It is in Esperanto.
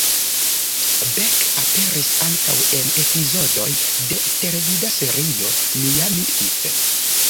Beck aperis ankaŭ en epizodoj de televida serio "Miami Vice".